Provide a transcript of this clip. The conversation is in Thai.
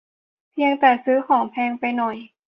เพียงแต่ซื้อของแพงไปหน่อย